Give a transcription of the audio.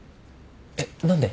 えっ何で？